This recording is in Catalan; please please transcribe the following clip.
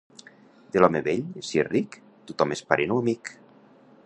De l'home vell, si és ric, tothom és parent o amic.